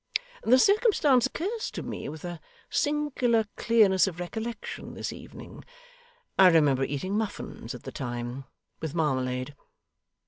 The circumstance occurs to me with a singular clearness of recollection this evening. I remember eating muffins at the time, with marmalade.